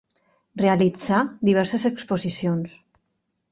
Realitzà diverses exposicions.